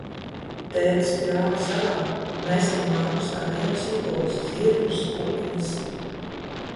Tētis pļāva zāli, mēs ar mammu stādījām sīpolus, zirņus, pupiņas.